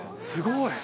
すごい。